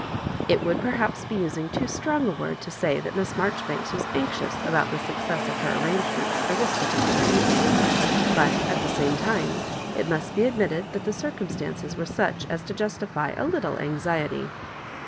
It would per haps be using too strong a word to say that Miss Marjoribanks was anxious about the success of her arrangements for this particular evening; but, at the same time, it must be admitted that the circumstances were such as to justify a little anxiety.